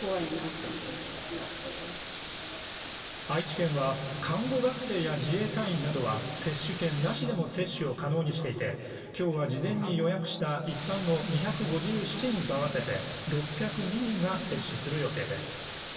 愛知県は看護学生や自衛隊員などは接種券なしでも接種を可能にしていてきょうは事前に予約した一般の２５７人の合わせて６０２人が接種する予定です